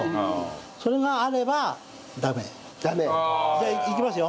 じゃあいきますよ。